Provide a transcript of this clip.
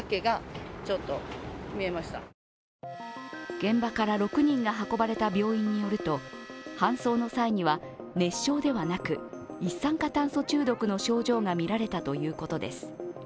現場から６人が運ばれた病院によると搬送の際には熱傷ではなく、一酸化炭素中毒の症状が見られたということです。